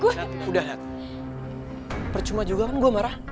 udah percuma juga kan gue marah